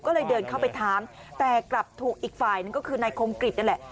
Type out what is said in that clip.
ก็เลยเดินเข้าไปถามแต่กลับถูกอีกฝ่ายหนึ่งก็คือนายคมกริจนั่นแหละ